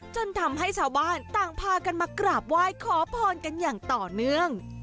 จนทำให้ชาวบ้านต่างพากันมากราบไหว้ขอพรกันอย่างต่อเนื่อง